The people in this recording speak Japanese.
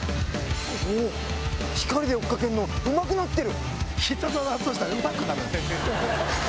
お光で追っかけるのうまくなってる！